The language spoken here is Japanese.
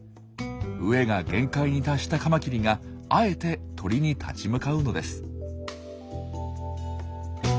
飢えが限界に達したカマキリがあえて鳥に立ち向かうのです。